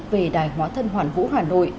về đài hóa thân hoàn vũ hà nội